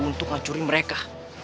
untuk ngacuri mereka